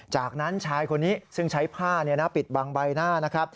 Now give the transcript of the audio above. จากนั้นชายคนนี้ซึ่งใช้ผ้าปิดบังใบหน้านะครับ